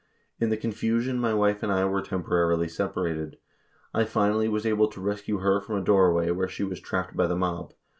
In the confusion my wife and I were temporarily separated. I fin ally was able to rescue her from a doorway where she was trapped by the mob.